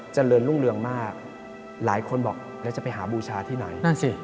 เจริญรุ่งเรืองมากหลายคนบอกแล้วจะไปหาบูชาที่ไหนนั่นสิ